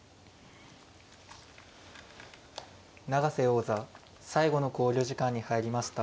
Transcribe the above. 永瀬王座最後の考慮時間に入りました。